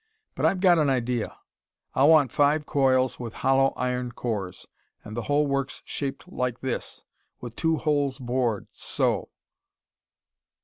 But I've got an idea. I'll want five coils with hollow iron cores, and the whole works shaped like this, with two holes bored so...."